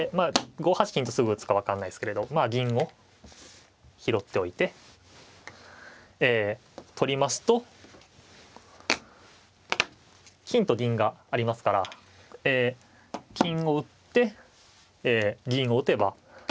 ５八金とすぐ打つか分かんないですけれどまあ銀を拾っておいて取りますと金と銀がありますから金を打ってえ銀を打てば詰みと。